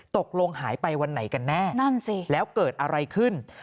ตกลงหายไปวันไหนกันแน่แล้วเกิดอะไรขึ้นนั่นสิ